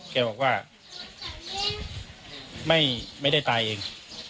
แกบอกว่าไม่ได้ตายเอง